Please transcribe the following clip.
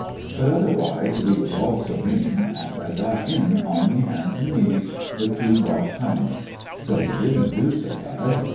But otherwise we was all serene, an' I got in on me hands an' knees, with two Boche helmets. So we didn't do so bad.